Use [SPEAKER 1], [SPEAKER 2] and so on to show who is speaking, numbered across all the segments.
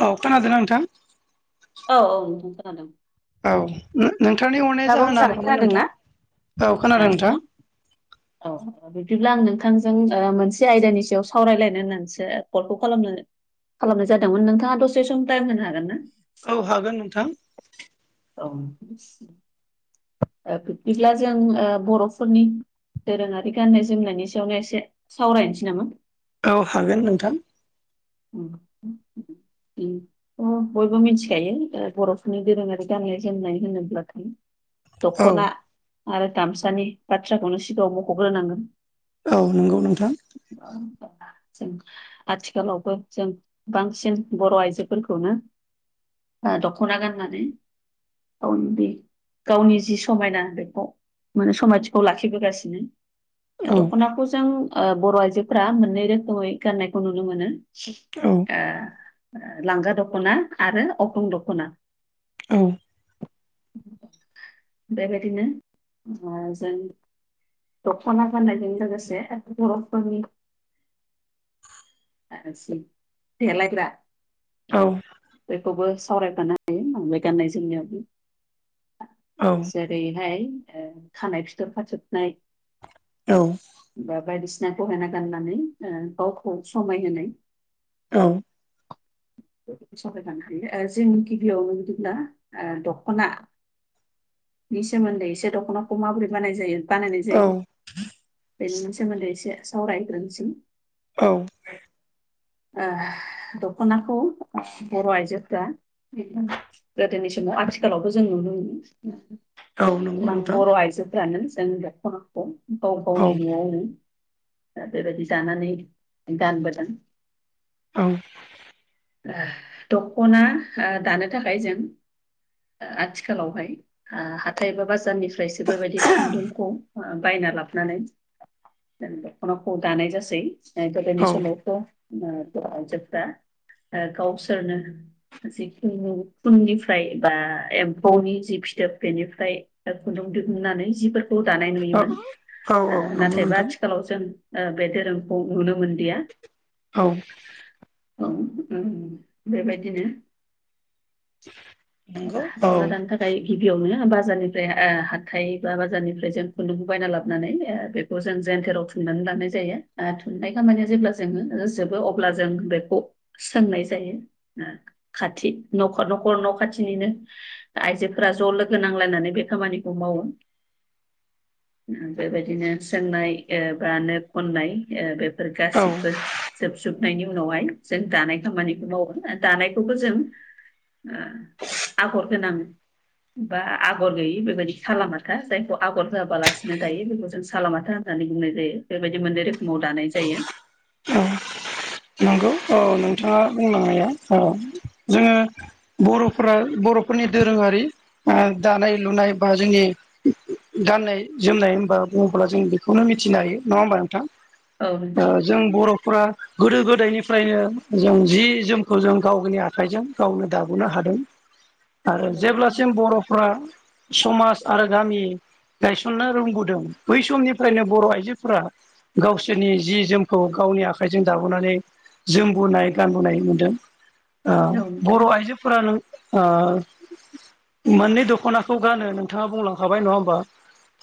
[SPEAKER 1] औ खोनादों ना नोंथां?
[SPEAKER 2] औ औ नोंथां खोनादों।
[SPEAKER 1] औ नोंथांनि हरनाया
[SPEAKER 2] दाबो
[SPEAKER 1] जाहोना
[SPEAKER 2] मोजाङै
[SPEAKER 1] मामोन
[SPEAKER 2] खोनादों
[SPEAKER 1] नोंथां
[SPEAKER 2] ना?
[SPEAKER 1] औ खोनादों नोंथां।
[SPEAKER 2] औ। बिदिब्ला आं नोंथांजों ओ मोनसे आयदानि सायाव सावरायलायनो होननानैसो कलखौ खालामनो खालामनाय जादोंमोन। नोंथाङा दसे सम टाइम होनो हागोन ना?
[SPEAKER 1] औ हागोन नोंथां।
[SPEAKER 2] औ। ओ बिब्दिब्ला जों बर'फोरनि दोरोङारि गाननाय जोमनायनि सायावनो एसे सावरायनोसै नामा?
[SPEAKER 1] औ हागोन नोंथां।
[SPEAKER 2] [inaudible] अ बयबो मिथिखायो ओ बर'फोरनि दोरोङारि गाननाय जोमनाय होनोब्लाथाय
[SPEAKER 1] औ
[SPEAKER 2] दख'ना आरो गामसानि बाथ्राखौनो सिगाङाव मखग्रोनांगोन।
[SPEAKER 1] औ नंगौ नोंथां।
[SPEAKER 2] [unintelligible] आथिखालाव जों बांसिन बर' आइजोफोरखौनो ओ दखना गान्नानै गावनि जि समायना बेखौ माने समायथिखौ लाखिबोगासिनो।
[SPEAKER 1] औ
[SPEAKER 2] दख'नाखौ जों ओ बर' आइजोफोरा मोननै रोखोमै गाननायखौ नुनो मोनो।
[SPEAKER 1] औ
[SPEAKER 2] ओ लांगा दख'ना आरो अग्रं दख'ना।
[SPEAKER 1] औ।
[SPEAKER 2] बेबायदिनो ओ जों दख'ना गाननायजों लोगोसे बर'फोरनि जि देलायग्रा
[SPEAKER 1] औ।
[SPEAKER 2] बेखौबो सावरायफानो हायो ओ बे गाननाय जोमनायाव
[SPEAKER 1] औ
[SPEAKER 2] जे ओरैहाय ओ खानाय फिथोब खाथोबनाय
[SPEAKER 1] औ।
[SPEAKER 2] बा बायदिसिना गहेना गाननानै गावखौ समायहोनो
[SPEAKER 1] औ।
[SPEAKER 2] [unintelligible] जों गिबियाव बिदिब्ला दख'ना बिनि सोमोन्दै एसे दख'नाखौ माबोरै गान्नाय जायो बानायनाय
[SPEAKER 1] औ
[SPEAKER 2] जायो बेनि सोमोन्दै एसे सावरायग्रोनोसै।
[SPEAKER 1] औ।
[SPEAKER 2] ओ दख'नाखौ बर' आइजोफोरा गोदोनि समाव आथिखालावबो जों नुनो मोनो,
[SPEAKER 1] औ नंगौ
[SPEAKER 2] गोबां
[SPEAKER 1] नोंथां
[SPEAKER 2] बर' आइजोफ्रानो जों दख'नाखौ गाव
[SPEAKER 1] औ
[SPEAKER 2] गावनि न'आवनो दा बेबायदि दानानै गानबोदों।
[SPEAKER 1] औ।
[SPEAKER 2] ओ दख'ना ओ दानो थाखाय जों ओ आथिखालावहाय ओ हाथाय एबा बाजारनिफ्रायसो बेबायदि खुन्दुंखौ बायना लाबोनानै दख'नाखौ दानाय जासै, गोदोनि
[SPEAKER 1] औ
[SPEAKER 2] समावथ' ओ बर' आइजोफ्रा ओ गावसोरनो जिखिनि खुननिफ्राय बा एम्फौनि जि फिथोब बेनिफ्राय खुन्दुं दिहुन्नानै जिफोरखौ दानाय नुयोमोन,
[SPEAKER 1] औ नंगौ
[SPEAKER 2] नाथायबा
[SPEAKER 1] नोंथां
[SPEAKER 2] आथिखालाव जों ओ बे धोरोमखौ नुनो मोनलिया।
[SPEAKER 1] औ
[SPEAKER 2] औ ओम बेबायदिनो
[SPEAKER 1] नंगौ औ
[SPEAKER 2] दख'ना दानो थाख ओम गिबियावनो बाजारनिफ्राय हाथाय बा बाजारनिफ्राय जों खुन्दुंखौ बायना लाबोनानै खौ जों जेन्टेराव थुननानै लानाय जायो ओ थुननाय खामानिया जेब्ला जोबो ओ जोबो अब्ला जों बेखौ सोंनाय जायो। खाथि न'खर न'खर न' खाथिनिनो आइजोफोरा ज' लोगो नांलायनानै बे खामानिखौ मावो। बेबायदिनो सोंनाय ओ बा नो खननाय बेफोर
[SPEAKER 1] औ
[SPEAKER 2] गासिबो जोबजोबनायनि उनावहाय जों दानाय खामानिखौ मावो दानायखौबो जों ओ आगर गोनां बा आगर गैयि बेबायदि साला माथा जायखौ आगर होयाबालासिनो दायो बेखौ जों सालामाथा होननानै बुंनाय जायो बेबायदि मोननै रोखोमाव दानाय जायो।
[SPEAKER 1] नंगौ औ नोंथाङा बुंलांनाया औ जोङो बर'फोरा बर'फोरनि दोरोङारि दानाय लुनाय बा जोंनि गाननाय जोमनाय होनबा बुङोब्ला जों बेखौनो मिथिनो हायो नङा होमबा नोंथां।
[SPEAKER 2] औ नोंथां
[SPEAKER 1] जों बर'फोरा गोदो गोदाय दायनिफ्रायनो जों जि जोमखौ जों गावनि आखाइजों गावनो दाबोनो हादों। आरो जेब्लासिम बर'फ्रा समाज आरो गामि गायसननो रोंबोदों बै समनिफ्रायनो बर' आइजोफोरा गावसोरनि जि जोमखौ गावनि आखाइजों दाबोनानै जोमबोनाय गानबोनाय मोन्दों बर' आइजो फोरा नों ओ मोननै दख'नाखौ गानो नोंथाङा बुंलांखाबाय नङा होमबा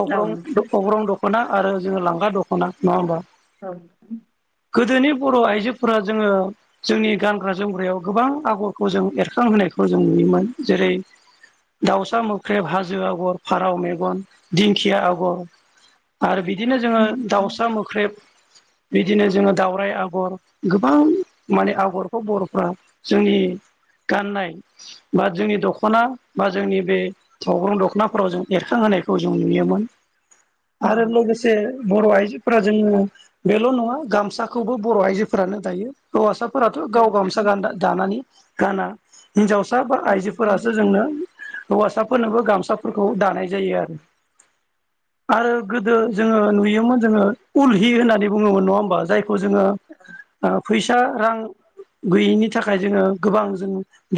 [SPEAKER 1] अग्रं अग्रं दख'ना आरो जोङो लांगा दख'ना नङा होमबा
[SPEAKER 2] औ
[SPEAKER 1] गोदोनि बर' आइजोफोरा जोङो जोंनि गानग्रा जोमग्रायाव गोबां आगरखौ जों एरखांहोनायखौ जों नुयोमोन जेरै दाउसा मोख्रेब हाजो आगर फाराव मेगन दिंखिया आगर आरो बिदिनो जोङो दाउसा मोख्रेब बिदिनो जोङो दावराय आगर गोबां माने आगरफ्राव बर'फ्रा जोंनि गाननाय बा जोंनि दख'ना बा जोंनि बे अग्रं दख'नाफोराव जों एरखांहोनायखौ जों नुयोमोन।
[SPEAKER 2] [inaudible]
[SPEAKER 1] आरो लोगोसे बर' आइजोफोरा जोङो बेल' नङा गामसाखौबो बर' आइजो फोरानो दायो हौवासाफोराथ' गाव गामसा गानदा दानानै गाना हिन्जावसा बा आइजोफोरासो जोंनो हौवासाफोरनोबो गामसाफोरखौ दानाय जायो आरो
[SPEAKER 2] [inaudible]
[SPEAKER 1] आरो गोदो जोङो नुयोमोन जोङो उल हि होननानै बुङोमोन नङा होमबा जायखौ जोङो ओ फैसा रां गैयिनि थाखाय जोङो गोबां जों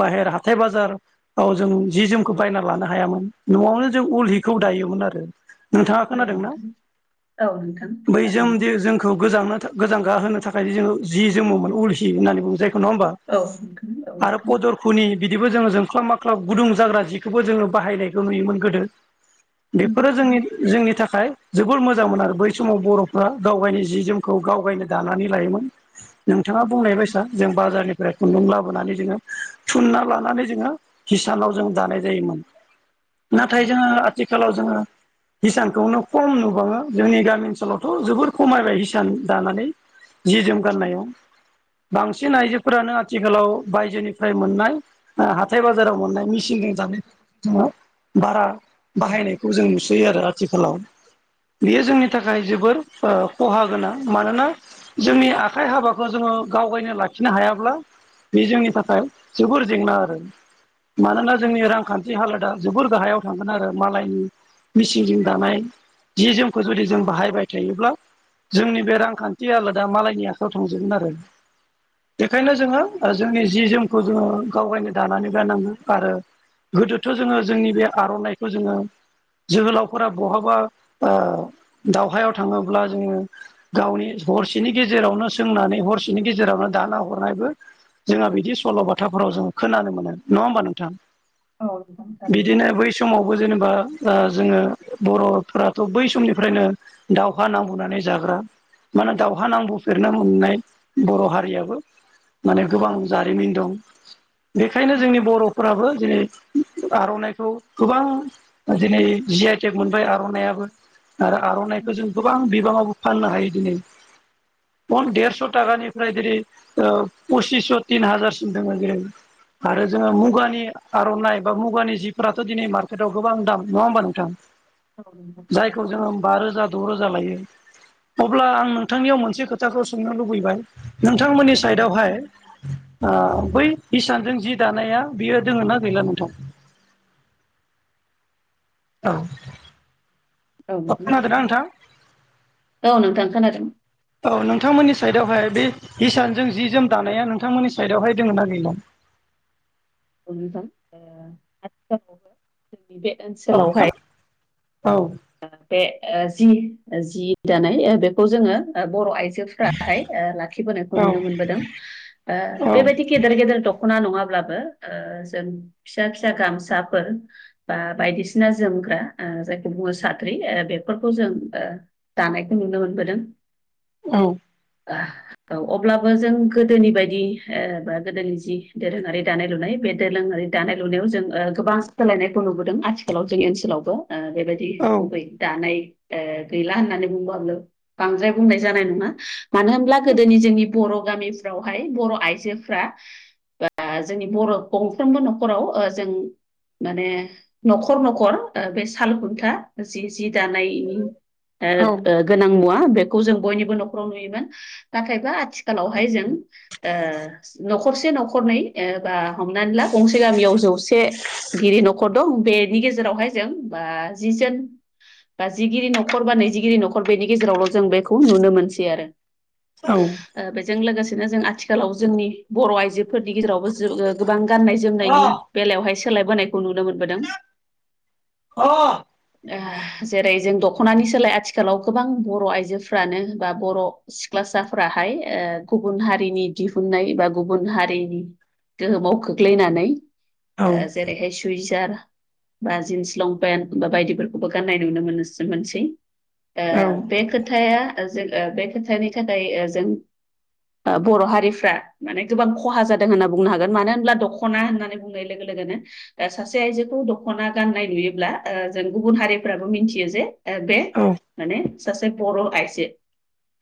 [SPEAKER 1] बाहेर हाथाय बाजार औ जों जि जोमखौ बायना लानो हायामोन। न'आवनो जों उल हिखौ दायोमोन आरो नोंथाङा खोनादों ना? बैजों दि जोंखौ गोजांनो था गोजांगा होनो थाखाय जोङो जि जोमोमोन उल हि होननानै बुङो जायखौ नङा होमबा
[SPEAKER 2] औ नोंथां औ नोंथां
[SPEAKER 1] खुनि बिदिबो जोङो जोंख्लाब माख्लाब गुदुं जाग्रा जिखौबो जोङो बाहायनायखौ नुयोमोन गोदो। बेफोरो जोंनि जोंनि थाखाय जोबोर मोजांमोन आरो बै समाव बर'फ्रा गाव गायनि जि जोमखौ गावगायनो दानानै लायोमोन। नोंथाङा बुंनाय बायसा जों बाजारनिफ्राय खुन्दुं लाबोनानै जोङो थुनना लानानै जोङो किसानाव जों दानाय जायोमोन नाथाय जोङो आथिखालाव जोङो हिसानखौनो खम नुबाबो जोंनि गामि ओनसोलावथ' जोबोर खमायबाय हिसान दानानै जि जोम गाननायाव बांसिन आइजोफोरानो आथिखालाव बायजोनिफ्राय मोननाय हाथाय बाजाराव मोननाय मिसिंजों दानाय जोङो बारा बाहायनायखौ जों नुसोयो आरो आथिखालाव। बियो जोंनि थाखाय जोबोर ओ खहा गोनां मानोना जोंनि आखाइ हाबाखौ जोङो गावगायनो लाखिनो हायाब्ला बे जोंनि थाखाय जोबोर जेंना आरो मानोना जोंनि रांखान्थि हालोदा जोबोर गाहायाव थांगोन आरो मालायनि मिसिनजों दानाय जि जोमखौ जुदि जों बाहायबाय थायोब्ला जोंनि बे रांखान्थि हालाद दा मालायनि आखायाव थांजोबगोन आरो बेखायनो जोङो जोंनि जि जोमखौ जोङो गावायनो दानानै गारनांगो आरो गोदोथ' जोङो जोंनि बे आर'नाइखौ जोङो जोहोलावफोरा बहाबा ओ दावहायाव थाङोब्ला जोङो गावनि हरसेनि गेजेरावनो सोंनानै हरसेनि गेजेरावनो दाना हरनायबो। जोंहा बिदि सल' बाथाफोराव जो खोनानो मोनो नङा होमबा नोंथां
[SPEAKER 2] थारैनो
[SPEAKER 1] बिदिनो बै समावबो जेनेबा ओ जोङो बर'फ्राथ' बै समनिफ्रायनो दाउहा नांबोनानै जाग्रा माने दावहा नांबोफेरनो मोननाय बर' हारियाबो माने गोबां जारिमिन दं बेखायनो जोंनि बर'फोराबो दिनै आर'नाइखौ गोबां दिनै जि आइ टेक मोनबाय आर'नायइाबो। आरो आर'नाइखौ जों गोबां बिबाङाबो फाननो हायो दिनै फन देरस' थाखानिफ्राय जेरै ओ पसिसस' तिन हाजारसिम दङो जेरै आरो जोङो मुगानि आर'नाइ बा मुगानि जिफोराथ' दिनै मार्केटआव गोबां दाम नङा होमबा नोंथां
[SPEAKER 2] औ नोंथां
[SPEAKER 1] जायखौ जोङो बा रोजा द' रोजा लायो अब्ला आं नों थांनियाव मोनसे खोथाखौ सोंनो लुबैबाय नोंथांमोननि साइडआवहाय ओ बै इसानजों जि दानाया बियो दोङ ना गैला नोंथां औ
[SPEAKER 2] औ
[SPEAKER 1] खोनादोंना नोंथां
[SPEAKER 2] नोंथां औ नोंथां औ नोंथां औ नोंथां औ नोंथां औ नोंथां औ नोंथां थारैनो औ नोंथां औ नोंथां औ नोंथां थारैनो औ नोंथां औ नोंथां औ नोंथां खोनादों
[SPEAKER 1] औ नोंथांमोननि साइदआवहाय बे हिसानजों जि जोम दानाया नोंथांमोननि साइडआवहाय दोङो ना गैला।
[SPEAKER 2] ओ आथिखालाव जोंनि बे
[SPEAKER 1] औ खोन
[SPEAKER 2] ओनसोलावहाय
[SPEAKER 1] औ
[SPEAKER 2] बे ओ जि जि दानाय ओ बेखौ जोङो बर' आइजो फ्राहाय लाखिबोनायखौ
[SPEAKER 1] औ
[SPEAKER 2] नुनो मोनबोदों। ओ बेबायदि गेदेर गेदेर दख'ना नङाब्लाबो ओ जों। फिसा फिसा गामसाफोर बा बायदिसिना जोमग्रा ओ जायखौ बुङो। साख्रि ओ बेफोरखौ जों ओ दानायखौ नुनो मोनबोदों
[SPEAKER 1] औ
[SPEAKER 2] ओ अब्लाबो जों गोदोनि बायदि ओ बा गोदोनि जि दोरोङारि दानाय लुनाय बे दोरोङारि दानाय-लुनायाव जों ओ गोबां सोलायनायखौ नुबोदों आथिखालाव जोंनि ओनसोलावबो ओ बेबायदि।
[SPEAKER 1] औ
[SPEAKER 2] गुबै दानाय ओ गैला होननानै बुंबाबो बांद्राय बुंनाय जानाय नङा मानो होनब्ला गोदोनि जोंनि बर' गामिफ्रावहाय बर' आइजोफ्रा बा जोंनि बर' गंफ्रोमबो न'खराव ओ जों माने न'खर न'खर ओ बे साल खुन्था। जि जि दानायनि ओ गोनां मुवा बेखौ जों बयनिबो न'खराव नुयोमोन। नाथायबा आथिखालावहाय जों ओ न'खरसे न'खरनै ओ बा हमनानै ला गंसे गामियाव जौसे गिदिर न'खर दं बेनि गेजेरावहाय जों ओ जि जोन बा जिगिरि न'खर बा नैजिगिरि न'खर बेनि गेजेरावल' जों बेखौ नुनो मोनसै आरो
[SPEAKER 1] औ
[SPEAKER 2] ओ बेजों लोगोसेनो जों आथिखालाव जोंनि बर' आइजो फोरनि गेजेरावबो गोबां गाननाय-जोमनायनि बेलायावहाय सोलायबोनायखौ नुनो मोनबोदों
[SPEAKER 1] [unintelligible]
[SPEAKER 2] ओ जेरै जों दख'नानि सोलाय आथिखालाव गोबां बर' आइजोफ्रानो बा बर' सिख्लासाफोराहाय ओ गुबुन हारिनि दिहुननाय बा गुबुन हारिनि गोहोमाव खोख्लैनानै। जेरैहाय सुइजार बा जिन्स लंपेन्ट बा बायदि। खौबो गाननाय नुनो मोनसो मोनसै ओ
[SPEAKER 1] औ
[SPEAKER 2] बे खोथाया जों बे खोथानि थाखाय जों बर' हारिफ्रा माने गोबां खहा जादों होनना बुंनो हागोन मानो होनब्ला दख'ना होननानै नाय लोगो लोगोनो सासे आइजोखौ दख'ना गाननाय नुयोब्ला ओ जों गुबुन हारिफ्राबो मिथियो जे बे माने सासे बर' आइजो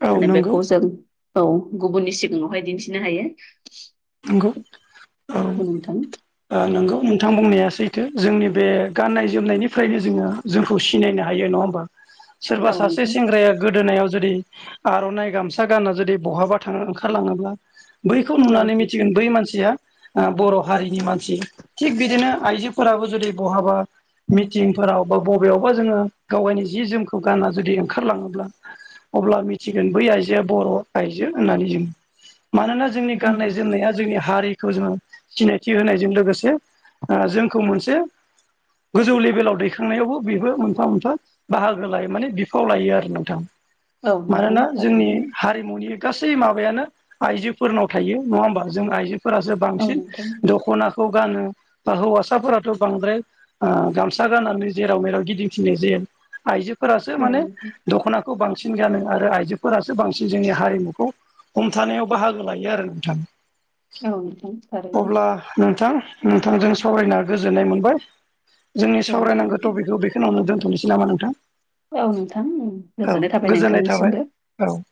[SPEAKER 1] औ
[SPEAKER 2] माने
[SPEAKER 1] नंगौ
[SPEAKER 2] बेखौ जों औ गुबुननि सिगाङावहाय दिन्थिनो हायो।
[SPEAKER 1] नंगौ औ। ओ नोंगौ नोंथां बुंनाया सैथो जोंनि बे गाननाय जोमनायनिफ्रायनो जोङो जोंखौ सिनायनो हायो नङा होमबा।
[SPEAKER 2] [inaudible]
[SPEAKER 1] सोरबा सासे
[SPEAKER 2] नोंथां
[SPEAKER 1] सेंग्राया गोदोनायाव जुदि आर'नाइ गामसा गाना जुदि बहाबा थाङो ओंखारलाङोब्ला बैखौ
[SPEAKER 2] औ
[SPEAKER 1] नुनानै सिया बर' हारिनि मानसि थिग बिदिनो आइजोफोराबो जुदि बहाबा मिटिंफोराव बा बबेयावबा जोङो गावागायनि जि जोमखौ गान्ना जुदि ओंखारलाङोब्ला अब्ला मिथिगोन बै आइजोआ बर' आइजो होननानै जों मानोना जोंनि गाननाय
[SPEAKER 2] नोंथां
[SPEAKER 1] जोमनाया जोंनि हारिखौ जोङो सिनायथि होनायजों लोगोसे ओ जोंखौ मोनसे गोजौ लेभेलाव दैखांनायावबो बेबो मोनफा मोनफा बाहागो लायो माने बिफाव लायो आरो नोंथां
[SPEAKER 2] औ नोंथां औ नोंथां
[SPEAKER 1] मानोना जोंनि
[SPEAKER 2] थारैनो
[SPEAKER 1] हारिमुनि गासै माबायानो आइजोफोरनाव थायो नङा होमबा जों आइजोफोरा जोब
[SPEAKER 2] औ
[SPEAKER 1] बांसिन
[SPEAKER 2] नोंथां
[SPEAKER 1] दख'नाखौ गानो बा हौवासाफोराथ' बांद्राय ओ गामसा गाननानै जेराव मेराव गिदिंथिङो जे आइजोफोरासो
[SPEAKER 2] औ
[SPEAKER 1] माने
[SPEAKER 2] नोंथां
[SPEAKER 1] दख'ना खौ बांसिन गानो आरो आइजोफोरासो बांसिन जोंनि हारिमुखौ हमथानायाव बाहागो लायो आरो। [inaudible]
[SPEAKER 2] औ नोंथां थारैनो
[SPEAKER 1] अब्ला नोंथां नोंथांजों सावरायना गोजोननाय मोनबाय जोंनि
[SPEAKER 2] औ
[SPEAKER 1] सावरायनांगौ
[SPEAKER 2] नोंथां
[SPEAKER 1] टपिकखौ बे खिनावनो दोनथ'नोसै नामा नोंथां।
[SPEAKER 2] औ नोंथां
[SPEAKER 1] औ
[SPEAKER 2] गोजोननाय थाबाय
[SPEAKER 1] गोजोननाय थाबाय
[SPEAKER 2] नोंथांनिसिमबो।
[SPEAKER 1] औ